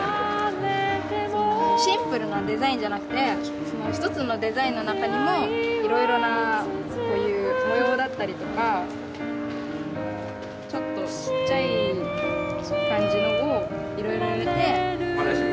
シンプルなデザインじゃなくてその一つのデザインの中にもいろいろなこういう模様だったりとかちょっとちっちゃい感じのをいろいろ入れて。